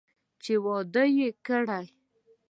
چې واده وکړي.